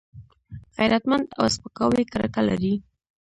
غیرتمند له سپکاوي کرکه لري